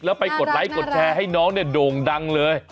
แล้วไปกดไลค์กดแชร์ให้น้องเนี่ยโด่งดังเลย